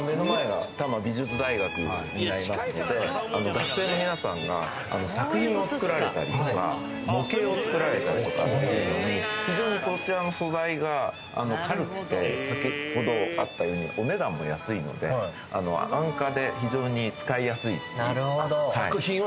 学生の皆さんが作品を作られたりとか模型を作られたりするのに非常にこちらの素材が軽くて先ほどあったようにお値段も安いので安価で非常に使いやすい。